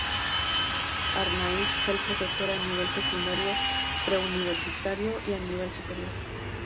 Arnáiz fue profesor a nivel secundario, preuniversitario y a nivel superior.